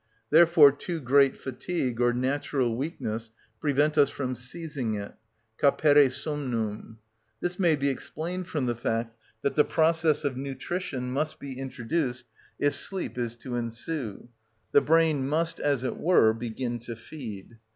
Therefore too great fatigue or natural weakness prevent us from seizing it, capere somnum. This may be explained from the fact that the process of nutrition must be introduced if sleep is to ensue: the brain must, as it were, begin to feed.